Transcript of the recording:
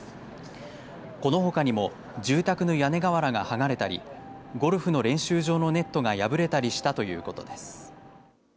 このほかにも住宅の屋根瓦がはがれたりゴルフの練習場のネットが破れたりしたということです。